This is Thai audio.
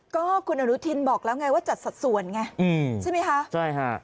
ก็คุณอนุทินบอกแล้วไงว่าจัดสัดส่วนไงอืมใช่ไหมคะใช่ค่ะ